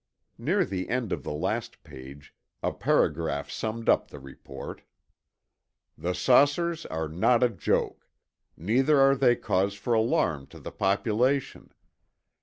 Near the end of the last page, a paragraph summed tip the report. "The 'Saucers' are not a joke. Neither are they cause for alarm to the population.